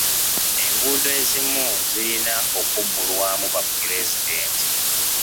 Enguudo ezimu zirina okubbulwamu bapulezidenti.